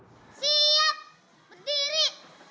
siap berdiri memberi salam